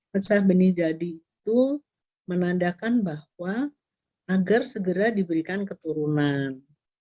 pecah benih jadi itu menandakan bahwa agar segera diberikan keturunan